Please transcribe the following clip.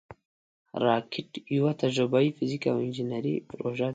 راکټ یوه تجربهاي، فزیکي او انجینري پروژه ده